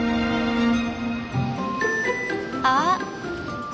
あっ！